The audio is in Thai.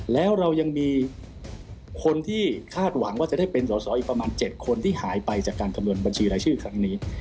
แล้วเรายังมีคนที่คาดหวังว่าจะได้เป็นสอสออีกประมาณ๗คนที่หายไปจากการคำนวณบัญชีรายชื่อครั้งนี้